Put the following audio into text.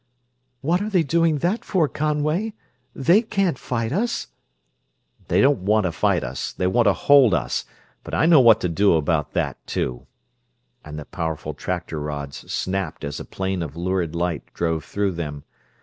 "What are they doing that for, Conway? They can't fight us!" "They don't want to fight us. They want to hold us, but I know what to do about that, too," and the powerful tractor rods snapped as a plane of lurid light drove through them.